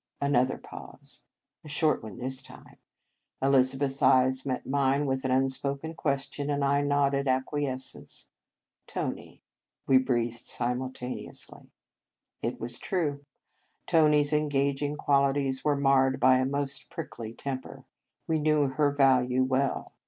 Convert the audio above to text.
Another pause, a short one this time. Elizabeth s eyes met mine with an unspoken question, and I nodded acquiescence. " Tony! " we breathed simultaneously. It was true. Tony s engaging quali ties were marred by a most prickly temper. We knew her value well.